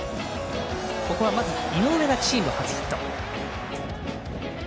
ここは井上がチーム初ヒット。